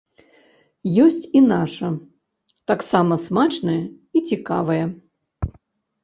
Ёсць і наша, таксама смачнае і цікавае.